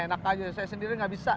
enak aja saya sendiri nggak bisa